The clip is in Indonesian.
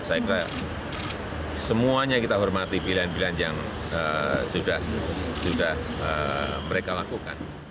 saya kira semuanya kita hormati pilihan pilihan yang sudah mereka lakukan